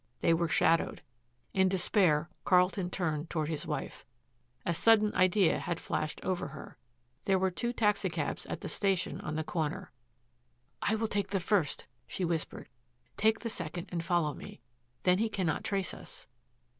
They were shadowed. In despair Carlton turned toward his wife. A sudden idea had flashed over her. There were two taxicabs at the station on the corner. "I will take the first," she whispered. "Take the second and follow me. Then he cannot trace us."